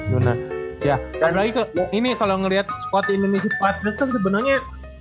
dan lagi ini kalo ngeliat squad indonesia patriot kan sebenernya